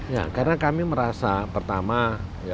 ya karena kami merasa pertama ya daerah kami kita harus mengejar